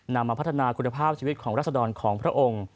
มาพัฒนาคุณภาพชีวิตของรัศดรของพระองค์